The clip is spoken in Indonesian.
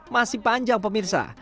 masih panjang pemirsa